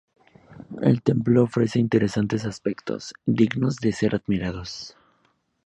El templo ofrece interesantes aspectos, dignos de ser admirados.